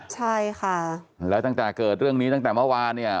ใช่ค่ะแล้วตั้งแต่เกิดเรื่องนี้ตั้งแต่เมื่อวานเนี่ย